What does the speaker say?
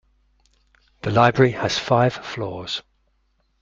The library has five floors.